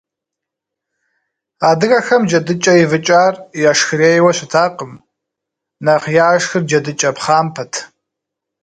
Адыгэхэм джэдыкӏэ ивыкӏар яшхырейуэ щытакъым, нэхъ яшхыр джэдыкӏэ пхъампэт.